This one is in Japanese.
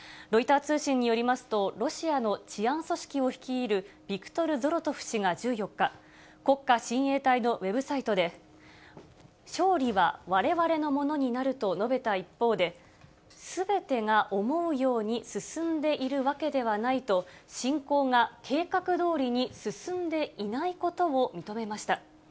ロイター通信によりますと、ロシアの治安組織を率いる、ビクトル・ゾロトフ氏が１４日、国家親衛隊のウェブサイトで、勝利はわれわれのものになると述べた一方で、すべてが思うように進んでいるわけではないと、侵攻が計画どおりに進んでいないことを認めました。